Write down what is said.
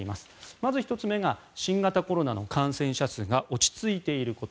まず１つ目が新型コロナの感染者数が落ち着いていること。